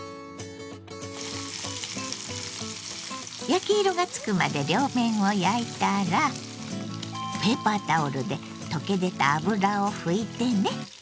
焼き色がつくまで両面を焼いたらペーパータオルで溶け出た脂を拭いてね。